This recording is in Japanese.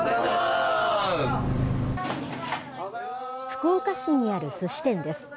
福岡市にあるすし店です。